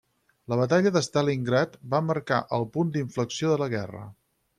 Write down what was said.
La batalla de Stalingrad va marcar el punt d'inflexió de la guerra.